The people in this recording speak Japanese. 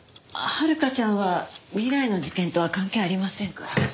遥香ちゃんは未来の事件とは関係ありませんから。